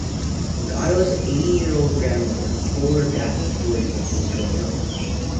Goto's eighty-year-old grandmother told her Japanese stories when she was growing up.